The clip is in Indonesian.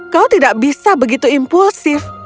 kau tidak bisa begitu impulsif